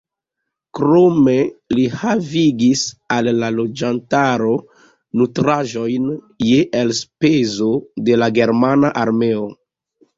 Krome li havigis al la loĝantaro nutraĵojn je elspezo de la germana armeo.